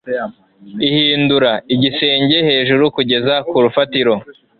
ihindura - igisenge hejuru kugeza ku rufatiro